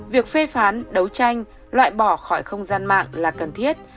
việc phê phán đấu tranh loại bỏ khỏi không gian mạng là cần thiết